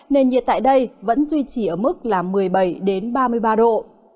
nền nhiệt tại đây vẫn duy trì ở mức là một mươi bảy ba mươi ba độ